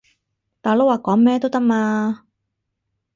大佬話講咩都得嘛